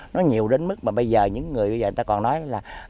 nó nhiều đến mức mà bây giờ những người bây giờ người ta còn nói là